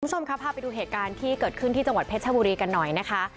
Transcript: คุณผู้ชมครับพาไปดูเหตุการณ์ที่เกิดขึ้นที่จังหวัดเพชรชบุรีกันหน่อยนะคะ